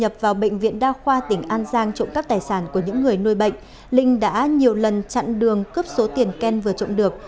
ở bệnh viện đa khoa tỉnh an giang trộm các tài sản của những người nuôi bệnh linh đã nhiều lần chặn đường cướp số tiền ken vừa trộm được